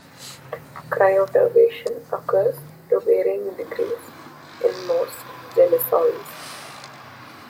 Cryoturbation occurs to varying degrees in most gelisols.